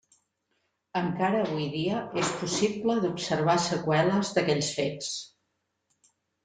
Encara avui dia és possible d'observar seqüeles d'aquells fets.